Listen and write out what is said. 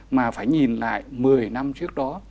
mà phải nhìn lại một mươi năm trước đó